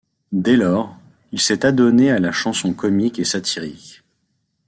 Dès lors, il s'est adonné à la chanson comique et satirique.